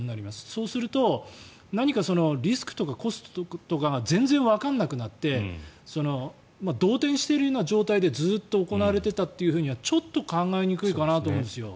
そうすると何かリスクとかコストとかが全然わからなくなって動転しているような状態でずっと行われていたとはちょっと考えにくいかなと思うんですよ。